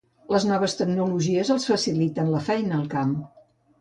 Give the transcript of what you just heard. Les noves tecnologies els faciliten la feina al camp.